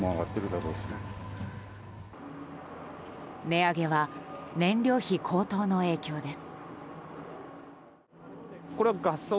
値上げは燃料費高騰の影響です。